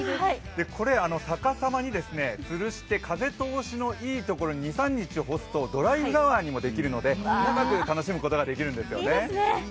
これ、逆さまにつるして風通しのいいところに２３日干すとドライフラワーにもできるので長く楽しむことができるんですね。